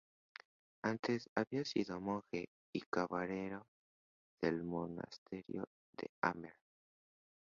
Antes había sido monje y camarero del monasterio de Amer.